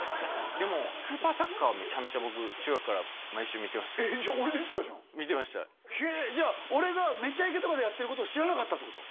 でも「スーパーサッカー」はめちゃめちゃ僕中学から毎週見てましたじゃあ俺出てたじゃん見てましたへえじゃあ俺が「めちゃイケ」とかでやってることを知らなかったってこと？